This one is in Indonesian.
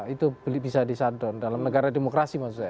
itu bisa di shutdown dalam negara demokrasi maksud saya